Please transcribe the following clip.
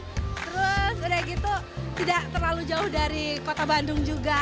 terus udah gitu tidak terlalu jauh dari kota bandung juga